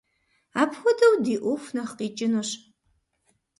Апхуэдэу ди ӏуэху нэхъ къикӏынущ.